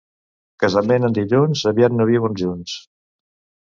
Casament en dilluns, aviat no viuen junts.